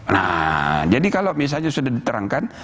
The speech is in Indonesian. nah jadi kalau misalnya sudah diterangkan